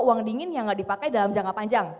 uang dingin yang nggak dipakai dalam jangka panjang